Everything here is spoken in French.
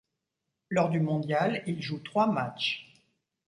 Lors du mondial, il joue trois matchs.